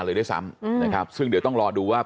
เขาไม่เอาเหมือนกันใช่ไหม